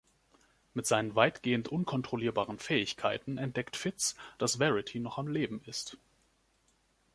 Mit seinen weitgehend unkontrollierbaren Fähigkeiten entdeckt Fitz, dass Verity noch am Leben ist.